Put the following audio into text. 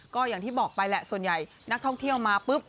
ก็อย่างที่บอกไปแหละส่วนใหญ่นักท่องเที่ยวมาปุ๊บ